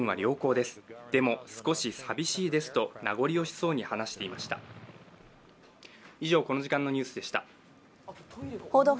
でも少し寂しいですと名残惜しそうに話していました。